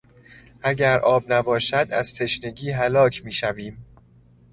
اگر آب نباشد از تشنگی هلاک میشویم.